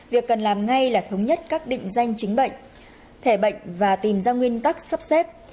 việc cần làm ngay là thống nhất các định danh chính bệnh thẻ bệnh và tìm ra nguyên tắc sắp xếp